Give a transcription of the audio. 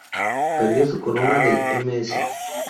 Perdió su corona del Ms.